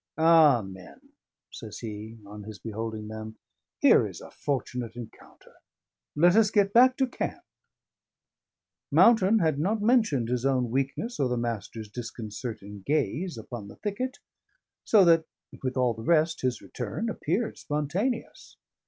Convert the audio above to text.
"Ah, men!" says he, on his beholding them. "Here is a fortunate encounter. Let us get back to camp." Mountain had not mentioned his own weakness or the Master's disconcerting gaze upon the thicket, so that (with all the rest) his return appeared spontaneous.